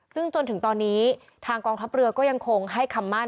ซึ่งจนถึงตอนนี้ทางกองทัพเรือก็ยังคงให้คำมั่น